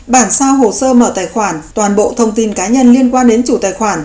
bản sao hồ sơ mở tài khoản toàn bộ thông tin cá nhân liên quan đến chủ tài khoản